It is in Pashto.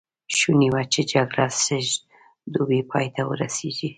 شوني وه چې جګړه سږ دوبی پای ته ورسېږي.